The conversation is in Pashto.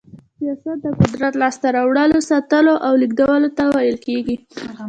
سياست د قدرت لاسته راوړلو، ساتلو او لېږدولو ته ويل کېږي.